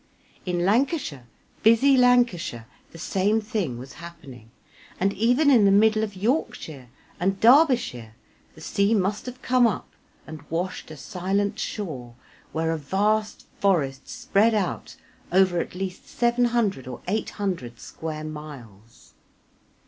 In Lancashire, busy Lancashire, the same thing was happening, and even in the middle of Yorkshire and Derbyshire the sea must have come up and washed a silent shore where a vast forest spread out over at least 700 or 800 square miles.